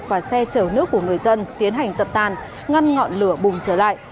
và xe chở nước của người dân tiến hành dập tàn ngăn ngọn lửa bùng trở lại